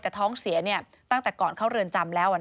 แต่ท้องเสียตั้งแต่ก่อนเข้าเรือนจำแล้ว